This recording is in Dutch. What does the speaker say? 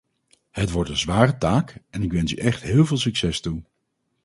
Het wordt een zware taak en ik wens u echt heel veel succes toe.